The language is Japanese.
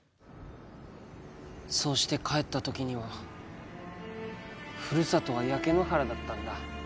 そうして帰ったときにはふるさとは焼け野原だったんだ。